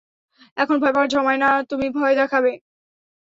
এখন ভয় পাওয়ার সময় না, তুমি ভয় দেখাবে।